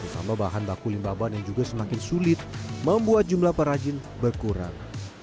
sama bahan baku limbah ban yang juga semakin sulit membuat jumlah perajin berkurang